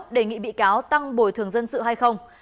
đề nghị bị cáo tăng bồi thường dân sự hay không